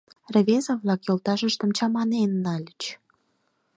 Рвезе-влак йолташыштым чаманен нальыч.